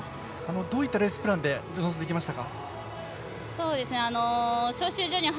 どういったレースプランで臨んでいきましたか？